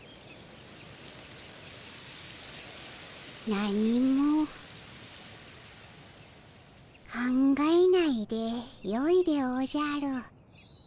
何も考えないでよいでおじゃる。